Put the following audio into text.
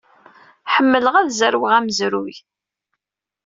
Ḥemmleɣ ad zerweɣ amezruy.